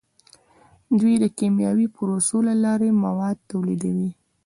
دوی د کیمیاوي پروسو له لارې مواد تولیدوي.